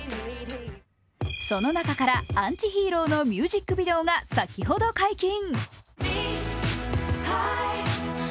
その中から「Ａｎｔｉ−Ｈｅｒｏ」のミュージックビデオが先ほど解禁。